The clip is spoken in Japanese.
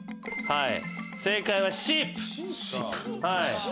はい！